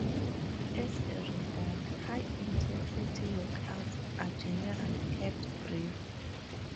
As a result, high intensity workouts are generally kept brief.